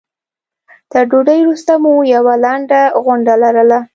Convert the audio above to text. تر ډوډۍ وروسته مو یوه لنډه غونډه لرله.